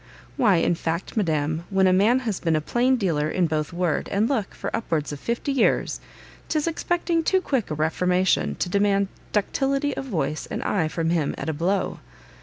"Why, in fact, madam, when a man has been a plain dealer both in word and look for upwards of fifty years, 'tis expecting too quick a reformation to demand ductility of voice and eye from him at a blow.